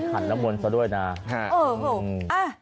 ขันแล้วมนต์ก็ด้วยนะฮะ